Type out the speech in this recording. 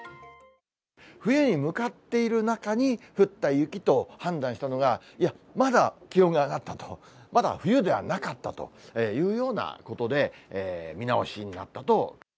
冬に向かっている中に降った雪と判断したのが、いや、まだ気温が上がったと、まだ冬ではなかったというようなことで、見直しになったと。